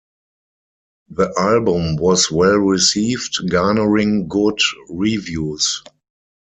The album was well received, garnering good reviews.